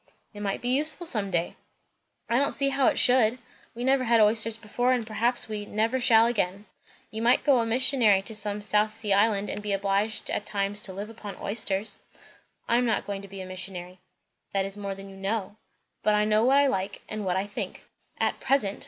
"It might be useful some day." "I don't see how it should. We never had oysters before, and perhaps we never shall again." "You might go a missionary to some South Sea island, and be obliged at times to live upon oysters." "I am not going to be a missionary." "That is more than you know." "But I know what I like, and what I think." "At present.